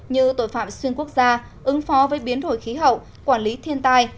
như tội phạm xuyên quốc gia ứng phó với biến đổi khí hậu quản lý thiên tai